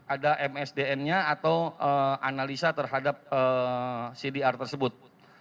ada msdn nya atau analisa terhadap cdr tersebut